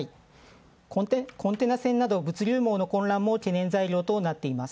コンテナ船など物流網も懸念材料となっています。